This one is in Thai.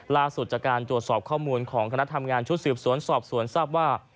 ล่าสุดจากการตรวจสอบข้อมูลของคณะทำงานชุดสืบสวนสอบสวนทราบว่า